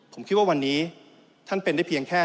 ผมคิดว่าวันนี้ท่านเป็นได้เพียงแค่